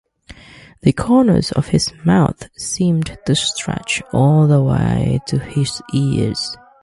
The corners of his mouth seemed to stretch all the way to his ears.